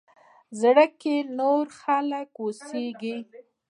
زړه کښې نور خلق اوسيږي